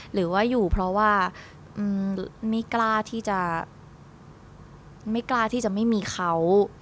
หรือว่าอยู่เพราะว่าไม่กล้าที่จะไม่กล้าที่จะไม่มีเขา